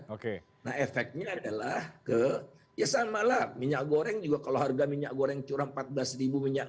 oke nah efeknya adalah ke ya samalah minyak goreng juga kalau harga minyak goreng curah empat belas minyak